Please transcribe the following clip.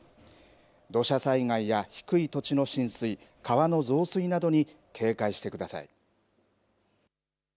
土砂災害や低い土地の浸水川の増水などに警戒してください。